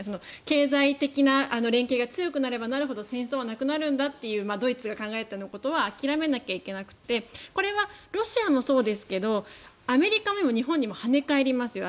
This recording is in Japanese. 経済的な連携が強くなればなるほど戦争がなくなるんだというドイツが考えたようなことは諦めなきゃいけなくてそれはロシアもそうですけどアメリカも今の日本にも跳ね返りますよ。